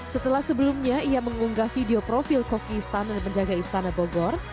setelah sebelumnya ia mengunggah video profil koki istana dan penjaga istana bogor